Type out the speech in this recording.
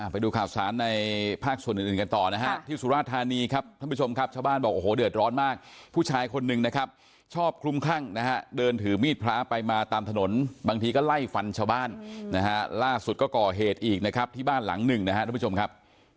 ไปดูข่าวสารในภาคส่วนอื่นกันต่อนะฮะที่สุราธานีครับท่านผู้ชมครับชาวบ้านบอกโอ้โหเดือดร้อนมากผู้ชายคนหนึ่งนะครับชอบคลุมคลั่งนะฮะเดินถือมีดพระไปมาตามถนนบางทีก็ไล่ฟันชาวบ้านนะฮะล่าสุดก็ก่อเหตุอีกนะครับที่บ้านหลังหนึ่งนะครับทุกผู้ชมครับ